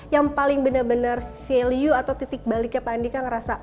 yang paling bener bener value atau titik baliknya pak adhika ngerasa